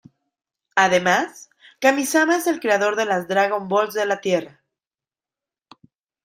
Además, Kamisama es el creador de las Dragon Balls de la Tierra.